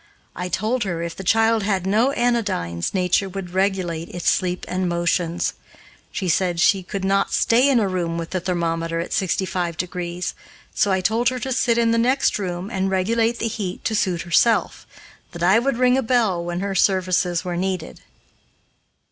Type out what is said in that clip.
I told her if the child had no anodynes, nature would regulate its sleep and motions. She said she could not stay in a room with the thermometer at sixty five degrees, so I told her to sit in the next room and regulate the heat to suit herself; that I would ring a bell when her services were needed.